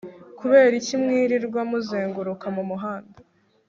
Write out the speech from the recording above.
kubera iki mwirirwa muzenguruka mumuhanda